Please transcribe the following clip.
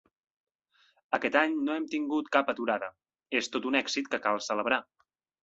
Aquest any no hem tingut cap aturada. És tot un èxit que cal celebrar.